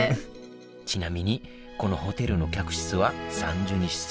ちなみにこのホテルの客室は３２室。